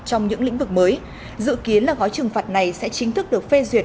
trong những lĩnh vực mới dự kiến là gói trừng phạt này sẽ chính thức được phê duyệt